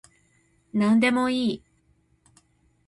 なんでもいい